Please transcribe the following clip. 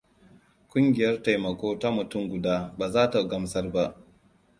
Kungiyar taimako ta mutum guda ba za ta gamsar ba.